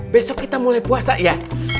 besok kita mulai puasa ya